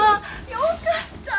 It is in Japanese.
よかった。